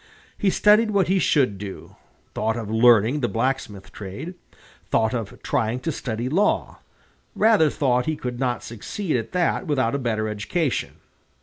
He studied what he should do; thought of learning the blacksmith trade, thought of trying to study law, rather thought he could not succeed at that without a better education."